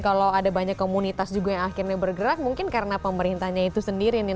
kalau ada banyak komunitas juga yang akhirnya bergerak mungkin karena pemerintahnya itu sendiri nih